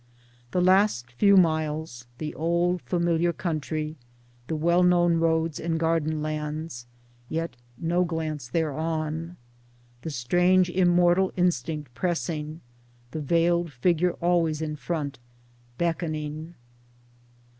The last few miles, the old familiar country — the well known roads and garden lands — yet no glance thereon. The strange immortal instinct pressing — the veiled figure always in front, beckoning.